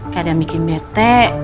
kayak ada yang bikin bete